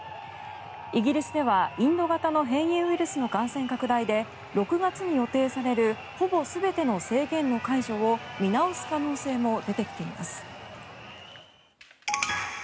イギリスではインド型の変異ウイルスの感染拡大で６月に予定されるほぼ全ての制限の解除を見直す可能性も出てきています。